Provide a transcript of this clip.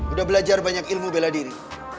udah belajar banyak ilmu bela diri